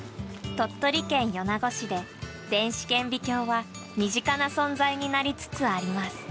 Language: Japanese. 鳥取県米子市で電子顕微鏡は身近な存在になりつつあります。